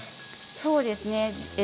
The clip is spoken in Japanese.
そうですね。